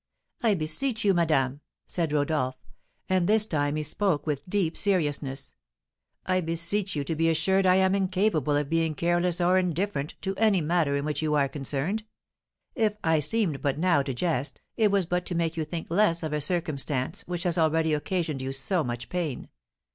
"I beseech you, madame," said Rodolph, and this time he spoke with deep seriousness, "I beseech you to be assured I am incapable of being careless or indifferent to any matter in which you are concerned. If I seemed but now to jest, it was but to make you think less of a circumstance which has already occasioned you so much pain.